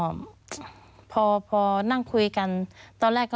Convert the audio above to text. มันจอดอย่างง่ายอย่างง่าย